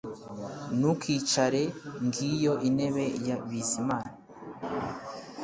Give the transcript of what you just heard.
Ntukicare Ngiyo intebe ya Bizimana